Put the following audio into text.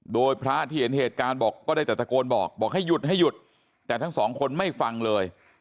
โดยพระที่เห็นเหตุการณ์บอกก็ได้แต่ตะโกนบอกบอกให้หยุดให้หยุดแต่ทั้งสองคนไม่ฟังเลย